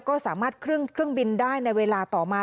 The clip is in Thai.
ก็สามารถเครื่องบินได้ในเวลาต่อมา